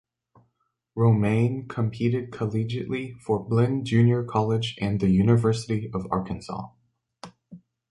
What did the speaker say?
Romain competed collegiately for Blinn Junior College and the University of Arkansas.